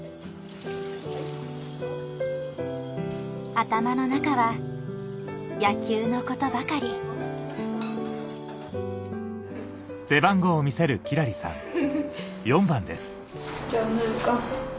頭の中は野球のことばかりフフフ。